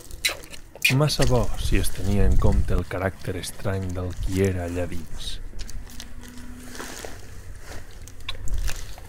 Massa bo, si es tenia en compte el caràcter estrany del qui era allà dins.